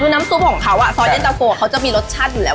คือน้ำซุปของเขาซอสเย็นตะโฟเขาจะมีรสชาติอยู่แล้ว